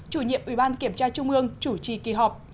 chủ nhiệm ubkt trung ương chủ trì kỳ họp